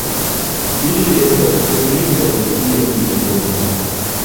Ili estas kuiritaj kiel legomo.